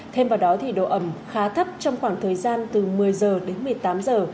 thêm vào đó thì độ ẩm khá thấp trong khoảng thời gian từ một mươi giờ đến một mươi tám giờ